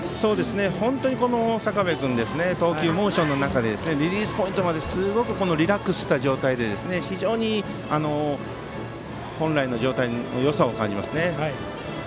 本当に坂部君は投球モーションの中でリリースポイントまですごくリラックスした状態で非常に本来の状態のよさを感じますね。